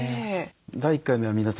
第１回目は皆さん